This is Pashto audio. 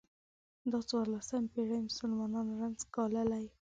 دا څوارلس پېړۍ مسلمانانو رنځ ګاللی.